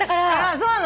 そうなの？